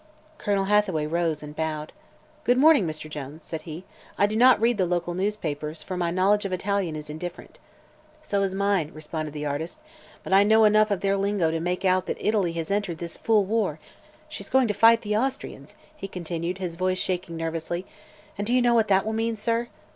Colonel Hathaway rose and bowed. "Good morning, Mr. Jones," said he. "I do not read the local newspapers, for my knowledge of Italian is indifferent." "So is mine," responded the artist, "but I know enough of their lingo to make out that Italy has entered this fool war. She's going to fight the Austrians," he continued, his voice shaking nervously, "and do you know what that will mean, sir?"